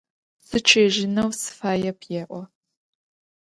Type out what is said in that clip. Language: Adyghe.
Сычъыежьынэу сыфаеп, – elo.